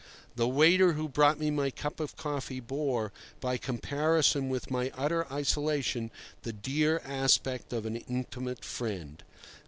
The waiter who brought me my cup of coffee bore, by comparison with my utter isolation, the dear aspect of an intimate friend.